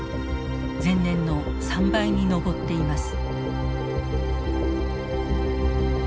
前年の３倍に上っています。